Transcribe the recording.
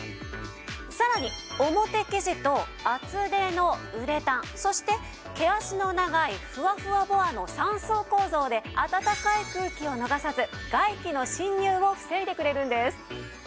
さらに表生地と厚手のウレタンそして毛足の長いフワフワボアの３層構造であたたかい空気を逃さず外気の侵入を防いでくれるんです。